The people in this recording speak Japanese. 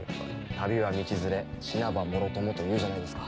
「旅は道連れ死なばもろとも」というじゃないですか。